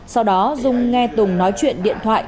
sau đó dung nghe tùng nói chuyện điện thoại